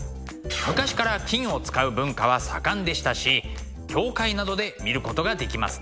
昔から金を使う文化は盛んでしたし教会などで見ることができますね。